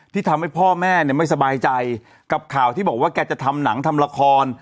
ที่ทำให้พ่อแม่เนี่ยไม่สบายใจกับข่าวที่บอกว่าแกจะทำหนังทำละคร